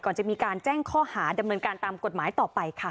จะมีการแจ้งข้อหาดำเนินการตามกฎหมายต่อไปค่ะ